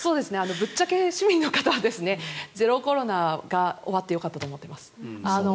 ぶっちゃけ市民の方はゼロコロナが終わってよかったと思っています。